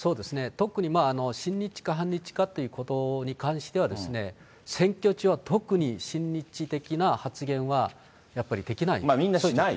特に親日か反日かということに関しては、選挙中は特に親日的な発言はやっぱりできない。